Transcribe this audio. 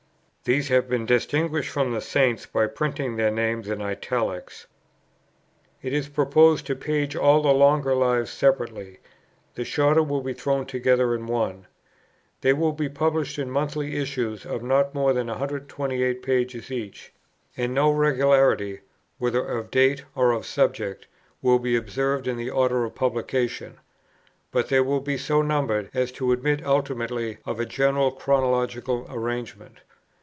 These have been distinguished from the Saints by printing their names in italics. It is proposed to page all the longer Lives separately; the shorter will be thrown together in one. They will be published in monthly issues of not more than 128 pages each; and no regularity, whether of date or of subject, will be observed in the order of publication. But they will be so numbered as to admit ultimately of a general chronological arrangement.